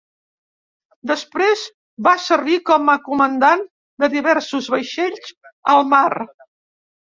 Després va servir com a comandant de diversos vaixells al mar.